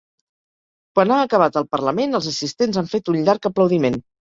Quan ha acabat el parlament els assistents han fet un llarg aplaudiment.